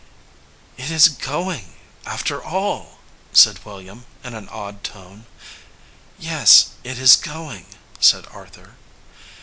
"It is going, after all," said William, in an awed tone. "Yes, it is going," said Arthur.